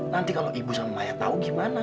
nanti kalau ibu sama maya tau gimana